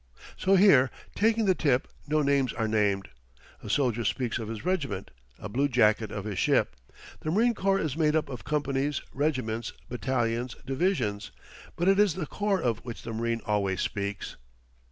So here, taking the tip, no names are named. A soldier speaks of his regiment, a bluejacket of his ship. The Marine Corps is made up of companies, regiments, battalions, divisions; but it is the corps of which the marine always speaks.